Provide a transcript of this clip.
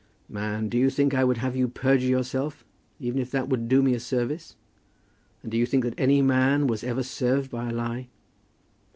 "Man, do you think I would have you perjure yourself, even if that would do me a service? And do you think that any man was ever served by a lie?"